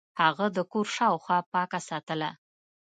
هغه د کور شاوخوا پاکه ساتله.